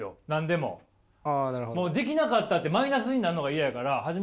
もうできなかったってマイナスになるのが嫌やからなるほど。